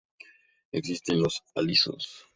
Existen los alisos.